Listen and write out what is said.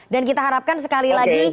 dan kita harapkan sekali lagi